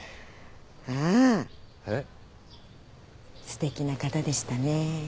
すてきな方でしたね。